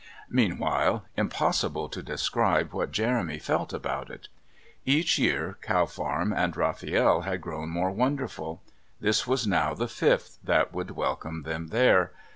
Meanwhile, impossible to describe what Jeremy felt about it. Each year Cow Farm and Rafiel had grown more wonderful; this was now the fifth that would welcome them there.